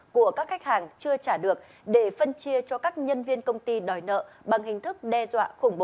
của các khách hàng chưa trả được để phân chia cho các nhân viên công ty đòi nợ bằng hình thức đe dọa khủng bố